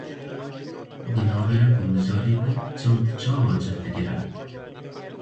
Di naverok û mijarê de çand çawa cih digire?